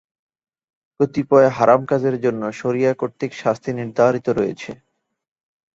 কতিপয় হারাম কাজের জন্য শরিয়া কর্তৃক শাস্তি নির্ধারিত রয়েছে।